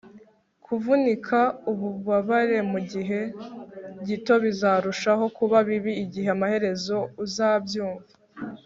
kuvunika ububabare mu gihe gito bizarushaho kuba bibi igihe amaherezo uzabyumva